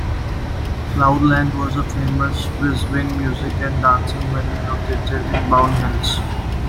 Cloudland was a famous Brisbane music and dancing venue located in Bowen Hills.